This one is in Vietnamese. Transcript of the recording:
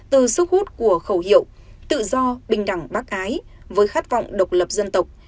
từ sức hút của khẩu hiệu tự do bình đẳng bác ái với khát vọng độc lập dân tộc